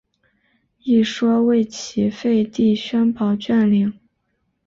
一说为齐废帝萧宝卷陵。